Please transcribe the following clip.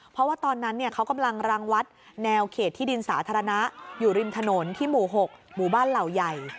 เพราะว่าตอนนั้นเขากำลังรังวัดแนวเขตที่ดินสาธารณะอยู่ริมถนนที่หมู่๖หมู่บ้านเหล่าใหญ่